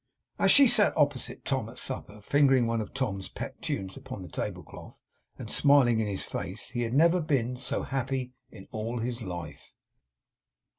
As she sat opposite to Tom at supper, fingering one of Tom's pet tunes upon the table cloth, and smiling in his face, he had never been so happy in his life.